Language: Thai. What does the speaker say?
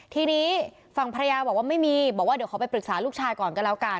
ทีนี้ฝั่งภรรยาบอกว่าไม่มีบอกว่าเดี๋ยวขอไปปรึกษาลูกชายก่อนก็แล้วกัน